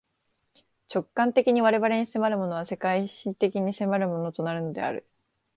直観的に我々に迫るものは、世界史的に迫るものとなるのである。